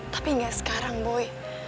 tapi gak sekarang boy